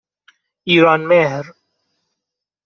ایرانمهر